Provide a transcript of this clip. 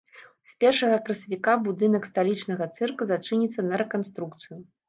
З першага красавіка будынак сталічнага цырка зачыніцца на рэканструкцыю.